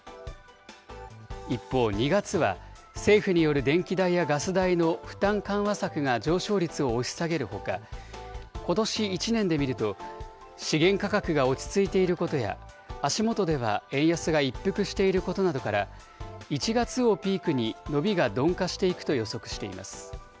一方、２月は政府による電気代やガス代の負担緩和策が上昇率を押し下げるほか、ことし１年で見ると、資源価格が落ち着いていることや、足元では円安が一服していることなどから、１月をピークに伸びが鈍化していくと予測しています。